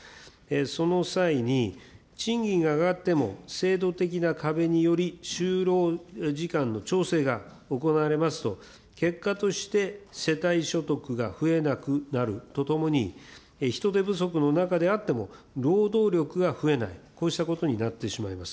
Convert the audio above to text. その際に、賃金が上がっても、制度的な壁により、就労時間の調整が行われますと、結果として世帯所得が増えなくなるとともに、人手不足の中であっても、労働力が増えない、こうしたことになってしまいます。